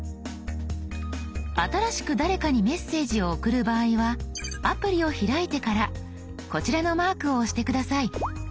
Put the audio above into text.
新しく誰かにメッセージを送る場合はアプリを開いてからこちらのマークを押して下さい。